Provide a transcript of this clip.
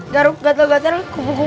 garuk gatel gatel kubu kubu